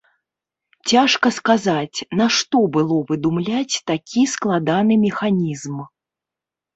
Цяжка сказаць, нашто было выдумляць такі складаны механізм.